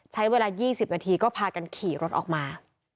ใช้เวลา๒๐นาทีก็พากันขี่รถออกมา